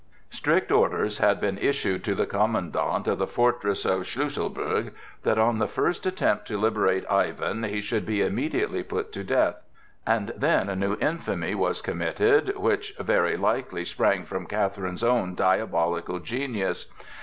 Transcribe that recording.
Strict orders had been issued to the commandant of the fortress of Schlüsselburg that on the first attempt to liberate Ivan he should be immediately put to death. And then a new infamy was committed which very likely sprang from Catherine's own diabolical genius.